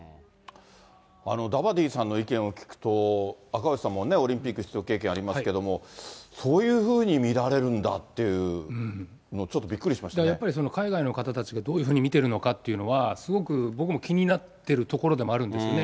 ダバディさんの意見を聞くと、赤星さんもね、オリンピック出場経験ありますけども、そういうふうに見られるんだっていうの、ちょっとびっくりしましだからやっぱりその、海外の方たちがどういうふうに見てるのかっていうのは、すごく僕も気になってるところでもあるんですよね。